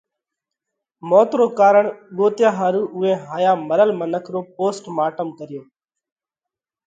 موت رو ڪارڻ ڳوتيا ۿارُو اُوئي هائيا مرل منک رو پوسٽ مارٽم ڪريو